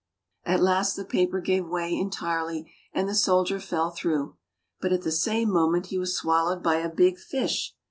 At last the paper gave way entirely and the soldier fell through — but at the same moment he was swallowed by a big fish.